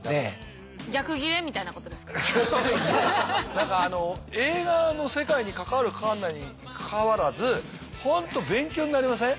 何かあの映画の世界に関わる関わらないにかかわらず本当勉強になりません？